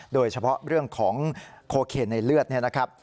โดยเฉพาะเรื่องของโคเคนในเลือดเนี่ยนะครับ